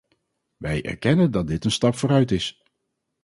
Wij erkennen dat dit een stap vooruit is.